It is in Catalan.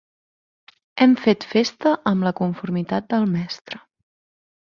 Hem fet festa amb la conformitat del mestre.